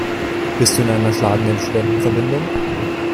Bist du in einer schlagenden Studentenverbindung?